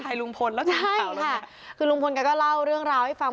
ใช่ค่ะคือลุงพลกันก็เล่าเรื่องราวให้ฟัง